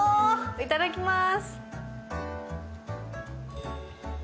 いただきます。